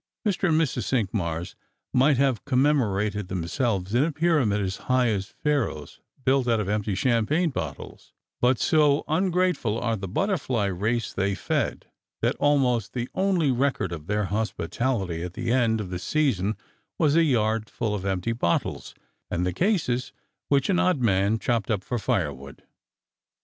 Mr. and Mrs. Cinqmars might have commemorated them selves in a pyramid as high as Pharoah's, built out of empty champagne bottles ; but so ungrateful are the butterfly race they fed, that almost the only record of their hospitality at the end of a season was a yard full of empty bottles, and the cases, which an odd man chopped up for firewood.